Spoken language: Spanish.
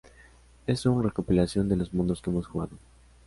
Es un recopilación de los mundos que hemos jugado.